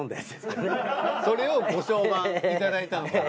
それをご相伴いただいたのかな。